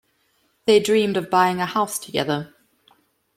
They dreamed of buying a house together.